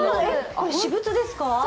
これ私物ですか？